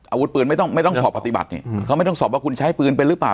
อาวุธปืนไม่ต้องไม่ต้องสอบปฏิบัติเนี่ยเขาไม่ต้องสอบว่าคุณใช้ปืนเป็นหรือเปล่า